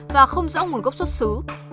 và không rõ nguồn gốc xuất xứ